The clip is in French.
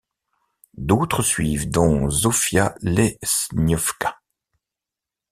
D'autres suivent, dont Zofia Leśniowska.